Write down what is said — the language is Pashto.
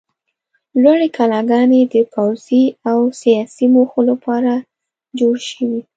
لوړې کلاګانې د پوځي او سیاسي موخو لپاره جوړې شوې.